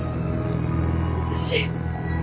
私。